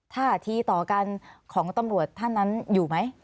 ท่าทีต่อกันของตำรวจท่านนั้นอยู่ไหม